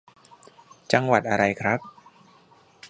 จังหวัดอะไรครับ